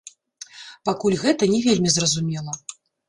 Пакуль гэта не вельмі зразумела.